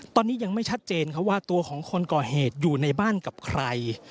ตอนนี้ยังไม่ชัดเจนครับว่าตัวของคนก่อเหตุอยู่ในบ้านกับใคร